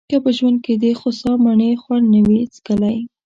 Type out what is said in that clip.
که په ژوند کې دخوسا مڼې خوند نه وي څکلی.